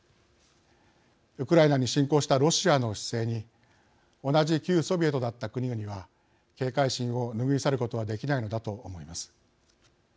ウクライナに侵攻したロシアの姿勢に同じ旧ソビエトだった国々は警戒心を拭い去ることはできないのだと思います。